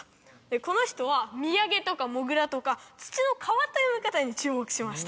この人は土産とか土竜とか土の変わった読み方に注目しました。